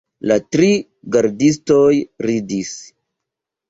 La tri gardistoj ridis.